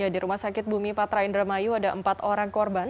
di rumah sakit bumi patra indramayu ada empat orang korban